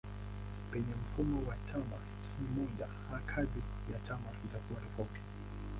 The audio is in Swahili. Penye mfumo wa chama kimoja kazi ya chama itakuwa tofauti.